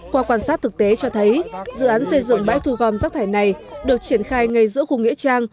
qua quan sát thực tế cho thấy dự án xây dựng bãi thu gom rác thải này được triển khai ngay giữa khu nghĩa trang